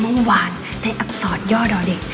เมื่อวานได้อักษรย่อด่อเด็ก